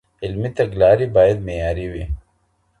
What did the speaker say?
علمي تګلارې بايد معيار وي.